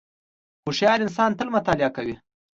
• هوښیار انسان تل مطالعه کوي.